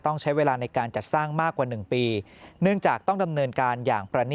ต้องใช้เวลาในการจัดสร้างมากกว่า๑ปีเนื่องจากต้องดำเนินการอย่างประนิ